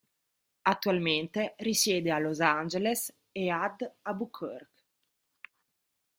Attualmente risiede a Los Angeles e ad Albuquerque.